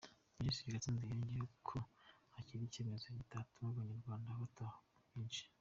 Minisitiri Gatsinzi yongeyeho ko kiriya cyemezo kizatuma Abanyarwanda bataha ku bwinshi.